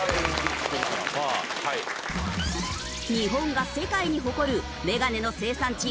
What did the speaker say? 日本が世界に誇るメガネの生産地